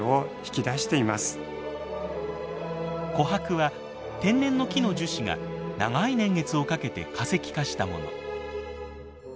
琥珀は天然の木の樹脂が長い年月をかけて化石化したもの。